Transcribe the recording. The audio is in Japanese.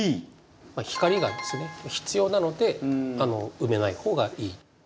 光がですね必要なので埋めない方がいい。